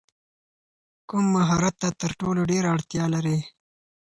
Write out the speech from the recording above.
کوم مهارت ته تر ټولو ډېره اړتیا لرې؟